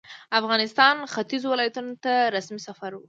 افغانستان ختیځو ولایتونو ته رسمي سفر وو.